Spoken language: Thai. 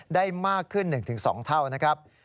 ได้มากขึ้น๑๒เท่านะครับ